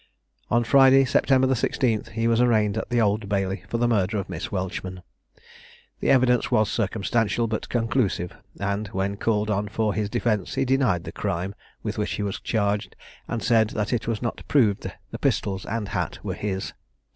On Friday, September the 16th, he was arraigned at the Old Bailey for the murder of Miss Welchman. The evidence was circumstantial, but conclusive; and, when called on for his defence, he denied the crime with which he was charged, and said that it was not proved the pistols and hat were his.